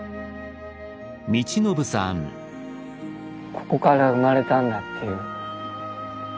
ここから生まれたんだっていう。